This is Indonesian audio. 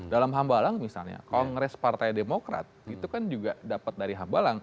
dalam hambalang misalnya kongres partai demokrat itu kan juga dapat dari hambalang